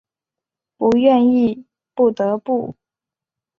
不愿意不得不